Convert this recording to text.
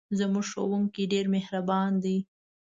زموږ ښوونکی ډېر مهربان دی.